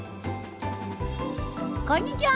こんにちは！